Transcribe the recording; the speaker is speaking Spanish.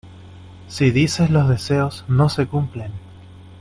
si dices los deseos, no se cumplen.